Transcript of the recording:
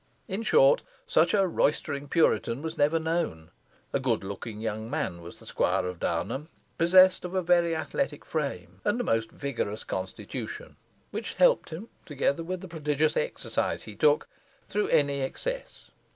In short, such a roystering Puritan was never known. A good looking young man was the Squire of Downham, possessed of a very athletic frame, and a most vigorous constitution, which helped him, together with the prodigious exercise he took, through any excess.